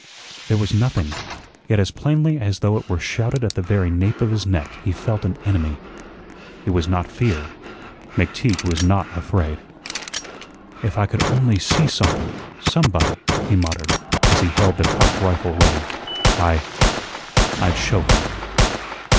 There was nothing; yet as plainly as though it were shouted at the very nape of his neck he felt an enemy. It was not fear. McTeague was not afraid. "If I could only SEE something somebody," he muttered, as he held the cocked rifle ready, "I I'd show him."